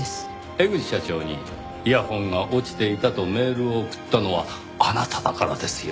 江口社長に「イヤフォンが落ちていた」とメールを送ったのはあなただからですよ。